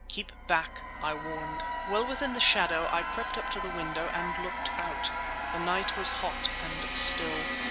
"Keep back!" I warned. Well within the shadow, I crept up to the window and looked out. The night was hot and still.